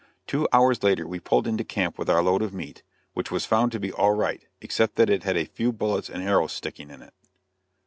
Two hours later we pulled into camp with our load of meat, which was found to be all right, except that it had a few bullets and arrows sticking in it.